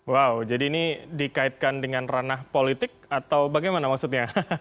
wow jadi ini dikaitkan dengan ranah politik atau bagaimana maksudnya